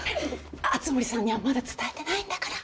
熱護さんにはまだ伝えてないんだから。